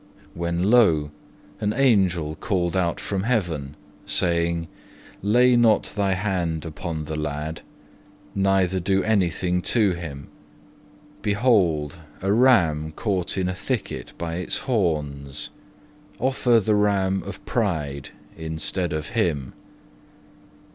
When lo! an angel called him out of heaven, Saying, Lay not thy hand upon the lad, Neither do anything to him. Behold, A ram caught in a thicket by its horns; Offer the Ram of Pride instead of him.